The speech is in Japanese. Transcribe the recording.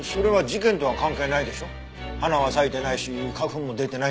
花は咲いてないし花粉も出てないんだから。